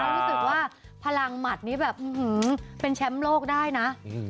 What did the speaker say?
รู้สึกว่าพลังหมัดนี้แบบเป็นแชมป์โลกได้นะ